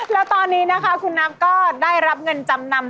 แล้วตอนนี้นะคะคุณนับก็ได้รับเงินจำนำ